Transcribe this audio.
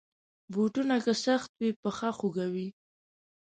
بوټونه که سخت وي، پښه خوږوي.